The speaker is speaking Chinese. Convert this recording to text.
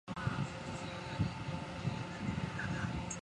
阇耶跋摩三世在吴哥城建都。